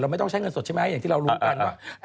ไม่ต้องใช้เงินสดใช่ไหมอย่างที่เรารู้กันว่า